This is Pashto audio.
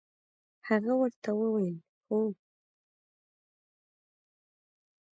هغه ورته وویل: هو.